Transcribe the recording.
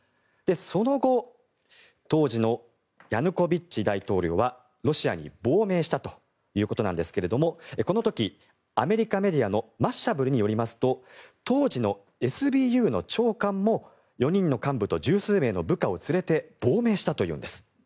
その後当時のヤヌコビッチ大統領はロシアに亡命したということなんですがこの時、アメリカメディアのマッシャブルによりますと当時のＳＢＵの長官も４人の幹部と１０数名の部下を連れて亡命したというんです。